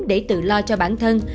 để tự lo cho bản thân